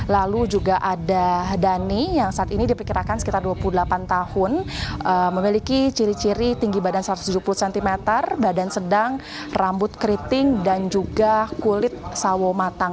lalu juga ada dhani yang saat ini diperkirakan sekitar dua puluh delapan tahun memiliki ciri ciri tinggi badan satu ratus tujuh puluh cm badan sedang rambut keriting dan juga kulit sawo matang